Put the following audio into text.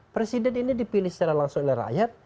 presiden ini dipilih secara langsung oleh rakyat